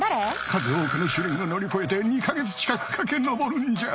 数多くの試練を乗り越えて２か月近くかけ登るんじゃ。